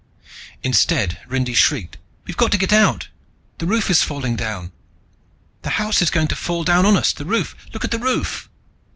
Instead Rindy shrieked. "We've got to get out! The roof is falling down! The house is going to fall down on us! The roof, look at the roof!"